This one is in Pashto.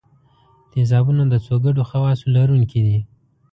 تیزابونه د څو ګډو خواصو لرونکي دي.